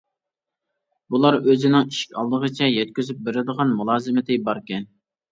بۇلار ئۆزىنىڭ ئىشىك ئالدىغىچە يەتكۈزۈپ بېرىدىغان مۇلازىمىتى باركەن.